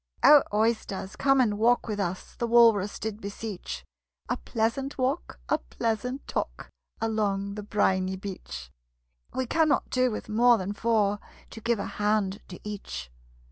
"O, Oysters, come and walk with us!" The Walrus did beseech. "A pleasant walk, a pleasant talk, Along the briny beach: We cannot do with more than four, To give a hand to each."